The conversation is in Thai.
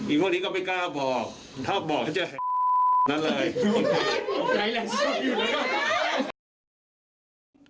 อีกวันนี้ก็ไม่กล้าบอกถ้าบอกก็จะนั้นเลย